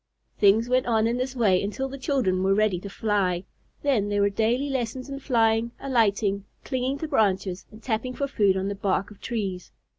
Things went on in this way until the children were ready to fly. Then there were daily lessons in flying, alighting, clinging to branches, and tapping for food on the bark of trees.